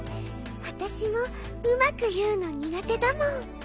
わたしもうまくいうのにがてだもん。